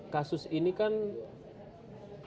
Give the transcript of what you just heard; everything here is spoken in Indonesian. kasus ini kan nggak sebentar